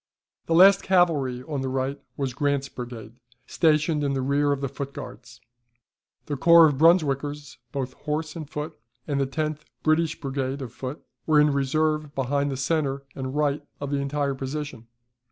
The last cavalry on the right was Grant's brigade, stationed in the rear of the Foot Guards. The corps of Brunswickers, both horse and foot, and the 10th British brigade of foot, were in reserve behind the centre and right of the entire position.